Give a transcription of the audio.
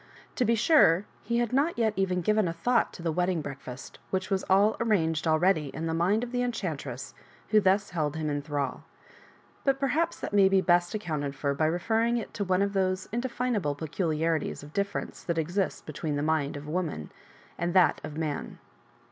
To be sure, he had not even yet given a thought to the wedding breakfast, which was all arranged already in the mind of the enchantress who thus held him in thrall ; but perhaps that may be best accounted for by referring it to one of those indefinable peculiarities of difference that exist between the mind of woman and that of man.